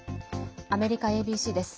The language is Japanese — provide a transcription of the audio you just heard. アメリカＡＢＣです。